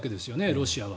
ロシアは。